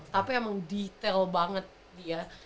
tapi emang detail banget dia